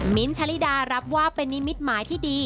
มิ้นท์ชะลีดารับว่าเป็นนิมิตรหมายที่ดี